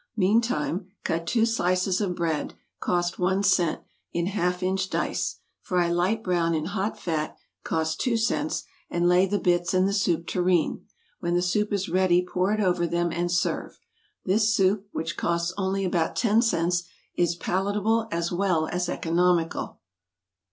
Meantime, cut two slices of bread, (cost one cent,) in half inch dice, fry light brown in hot fat, (cost two cents,) and lay the bits in the soup tureen; when the soup is ready pour it over them, and serve. This soup, which costs only about ten cents, is palatable as well as economical.